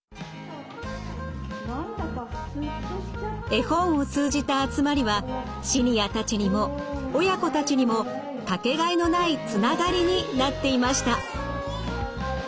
絵本を通じた集まりはシニアたちにも親子たちにも掛けがえのないつながりになっていました。